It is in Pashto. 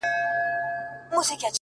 • تر قیامته به یې حرف ویلی نه وای,,!